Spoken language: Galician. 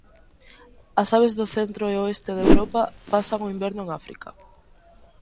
As aves do centro e oeste de Europa pasan o inverno en África.